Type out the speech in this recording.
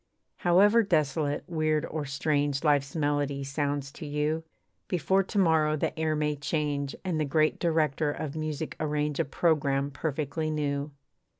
However desolate, weird, or strange Life's melody sounds to you, Before to morrow the air may change, And the Great Director of music arrange A programme perfectly new.